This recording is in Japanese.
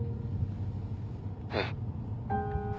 「うん」